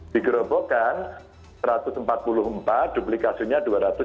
digerobokkan satu ratus empat puluh empat duplikasinya dua ratus tiga puluh